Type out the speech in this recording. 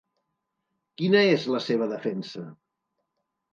Quina és la seva defensa?